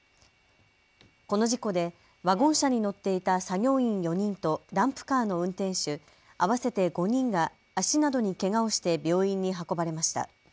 この事故でワゴン車に乗っていた作業員４人とダンプカーの運転手合わせて５人が足などにけがをして病院に運ばれました。